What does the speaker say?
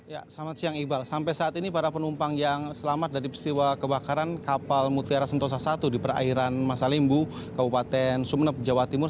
ya selamat siang iqbal sampai saat ini para penumpang yang selamat dari peristiwa kebakaran kapal mutiara sentosa i di perairan masalimbu kabupaten sumeneb jawa timur